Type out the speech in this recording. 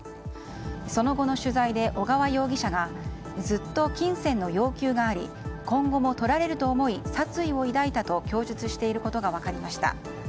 その後の取材で小川容疑者がずっと金銭の要求があり今後も取られると思い殺意を抱いたと供述していることが分かりました。